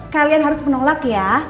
kalian harus menolak ya